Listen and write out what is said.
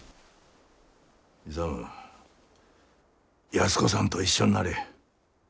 安子さんと一緒んなれ。